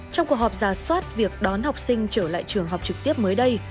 trong cuộc họp giả soát việc đón học sinh trở lại trường học trực tiếp mới đây